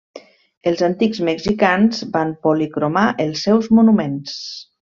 Els antics mexicans van policromar els seus monuments.